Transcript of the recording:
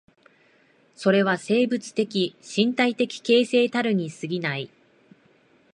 それは生物的身体的形成たるに過ぎない。